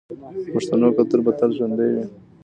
د پښتنو کلتور به تل ژوندی وي.